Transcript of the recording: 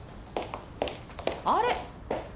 あれ？